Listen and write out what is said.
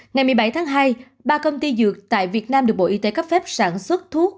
ngày một mươi bảy tháng hai ba công ty dược tại việt nam được bộ y tế cấp phép sản xuất thuốc